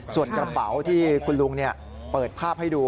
ส่วนกระเป๋าที่คุณลุงเปิดภาพให้ดู